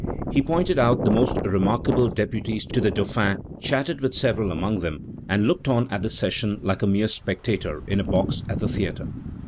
He pointed out the most remarkable deputies to the Dauphin, chatted with several among them, and looked on at the session like a mere spectator in a box at the theatre.